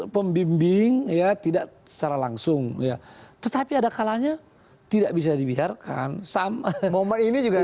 pembimbing ya tidak secara langsung ya tetapi ada kalanya tidak bisa dibiarkan sama momen ini juga